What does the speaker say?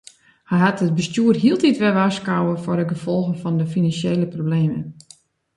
Hy hat it bestjoer hieltyd wer warskôge foar de gefolgen fan de finansjele problemen.